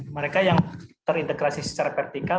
mereka yang terintegrasi secara vertikal